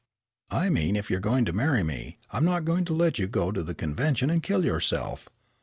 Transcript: "I mean that if you're going to marry me, I'm not going to let you go to the convention and kill yourself."